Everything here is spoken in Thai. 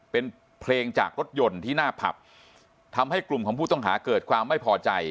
เป็นเพลงจากรถยนต์ที่หน้าผับทำให้กลุ่มของผู้ต้องหาเกิดความไม่พอใจ